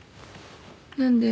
何で？